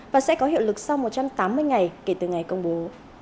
và sẽ có hiệu lực sau một trăm tám mươi ngày kể từ ngày công bố